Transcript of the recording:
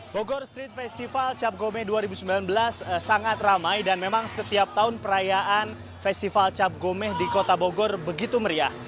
bogor street festival cap gome dua ribu sembilan belas sangat ramai dan memang setiap tahun perayaan festival cap gome di kota bogor begitu meriah